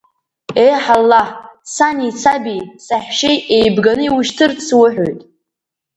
Еҳ, аллаҳ, сани, саби, саҳәшьеи еибганы иушьҭырц суҳәоит…